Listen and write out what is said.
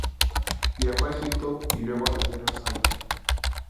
Viajó a Egipto y luego a la Tierra Santa.